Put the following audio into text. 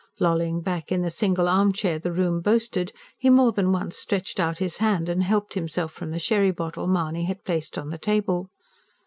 Lolling back in the single armchair the room boasted, he more than once stretched out his hand and helped himself from the sherry bottle Mahony had placed on the table.